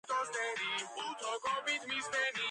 მტევანდიდი ყურადღებას იპყრობს აგრეთვე, როგორც საჭმელი ყურძენი.